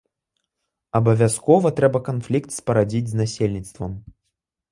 Абавязкова трэба канфлікт спарадзіць з насельніцтвам.